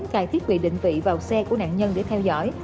cài thiết bị định vị vào xe của nạn nhân để theo dõi